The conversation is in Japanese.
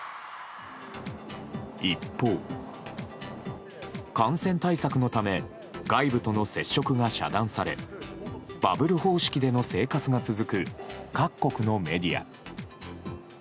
一方、感染対策のため外部との接触が遮断されバブル方式での生活が続く各国のメディア。